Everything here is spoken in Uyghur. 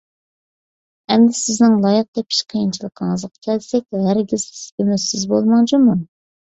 ئەمدى سىزنىڭ لايىق تېپىش قىيىنچىلىقىڭىزغا كەلسەك، ھەرگىز ئۈمىدسىز بولماڭ جۇمۇ!